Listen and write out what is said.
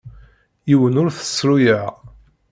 Yiwen ur t-ssruyeɣ.